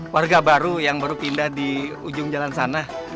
warga baru yang baru pindah di ujung jalan sana